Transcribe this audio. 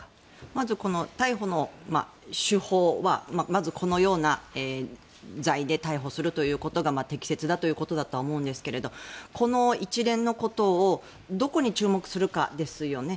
まずこの逮捕の手法はまずこのような罪で逮捕するということが適切だったと思うんですがこの一連のことをどこに注目するかですよね。